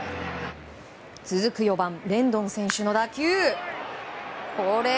続く４番、レンドン選手の打球。